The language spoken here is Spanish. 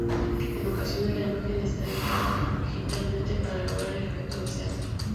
En ocasiones, la imagen está editada digitalmente, para lograr el efecto deseado.